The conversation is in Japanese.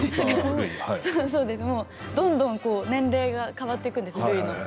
どんどん年齢が変わっていくんですよ。